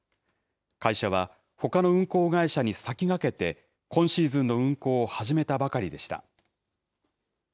会社は、ほかの運航会社に先駆けて、今シーズンの運航を始めたばかりでした。